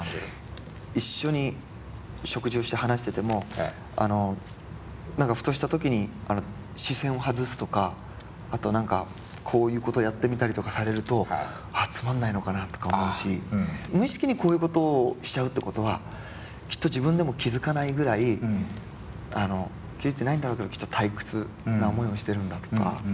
一緒に食事をして話してても何かふとした時に視線を外すとかあと何かこういうことやってみたりとかされると「あっつまんないのかな」とか思うし無意識にこういうことをしちゃうってことはきっと自分でも気付かないぐらい気付いてないんだろうけどきっと退屈な思いをしてるんだとか。